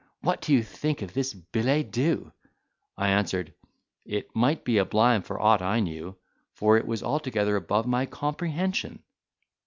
What do you think of this billet doux?" I answered, "It might be sblime for aught I knew, for it was altogether above my comprehension."